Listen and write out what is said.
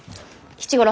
吉五郎。